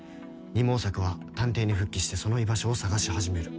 二毛作は探偵に復帰してその居場所を捜し始める。